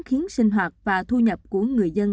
khiến sinh hoạt và thu nhập của người dân